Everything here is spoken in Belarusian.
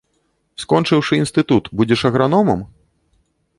Скончыўшы інстытут, будзеш аграномам?